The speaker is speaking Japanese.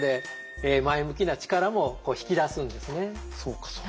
そうかそうか。